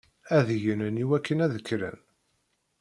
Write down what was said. Ad gnen iwakken ad kkren.